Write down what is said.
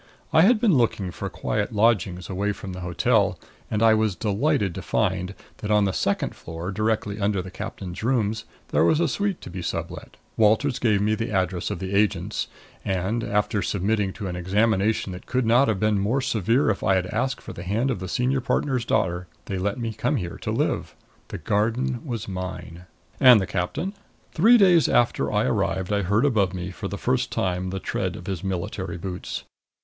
I had been looking for quiet lodgings away from the hotel, and I was delighted to find that on the second floor, directly under the captain's rooms, there was a suite to be sublet. Walters gave me the address of the agents; and, after submitting to an examination that could not have been more severe if I had asked for the hand of the senior partner's daughter, they let me come here to live. The garden was mine! And the captain? Three days after I arrived I heard above me, for the first time, the tread of his military boots.